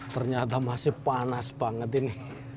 ternyata masih panas banget ini